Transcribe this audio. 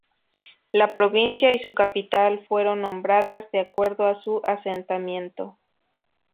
La provincia y su capital fueron nombradas de acuerdo a su asentamiento.